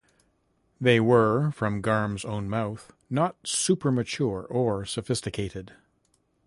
They were-from Garm's own mouth-not super mature or sophisticated.